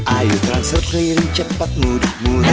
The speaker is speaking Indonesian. ayo transfer clearing cepat mudah mudah